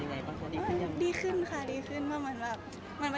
แล้วเขาเอาไว้แล้วผมก็ได้ฟังว่ามันด้วย